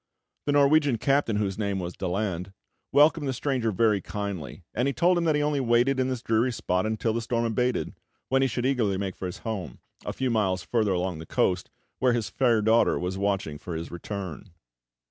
The Norwegian captain, whose name was Daland, welcomed the stranger very kindly; and he told him that he only waited in this dreary spot until the storm abated, when he should eagerly make for his home, a few miles further along the coast, where his fair daughter was watching for his return.